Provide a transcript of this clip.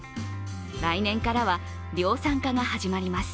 来年からは量産化が始まります。